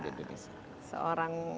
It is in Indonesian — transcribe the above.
di indonesia seorang